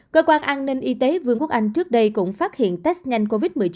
cơ quan an ninh y tế vương quốc anh trước đây cũng phát hiện test nhanh covid một mươi chín